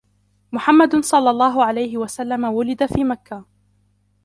محمد صلى الله عليه وسلم ولد في مكة